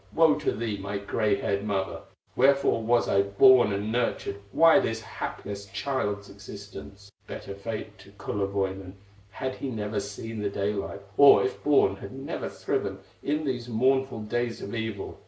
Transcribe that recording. Woe to thee, my gray haired mother! Wherefore was I born and nurtured, Why this hapless child's existence? Better fate to Kullerwoinen, Had he never seen the daylight, Or, if born, had never thriven In these mournful days of evil!